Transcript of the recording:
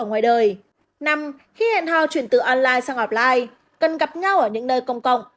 họ online năm khi hẹn hò chuyển từ online sang offline cần gặp nhau ở những nơi công cộng